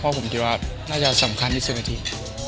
เพราะผมคิดว่าน่าจะสำคัญที่สุดนาที